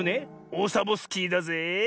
オサボスキーだぜえ。